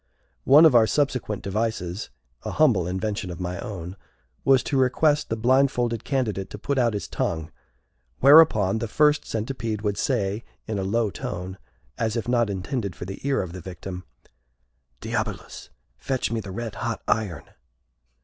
One of our subsequent devices a humble invention of my own was to request the blindfolded candidate to put out his tongue, whereupon the First Centipede would say, in a low tone, as if not intended for the ear of the victim, "Diabolus, fetch me the red hot iron!"